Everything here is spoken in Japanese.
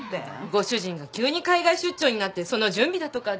ご主人が急に海外出張になってその準備だとかで。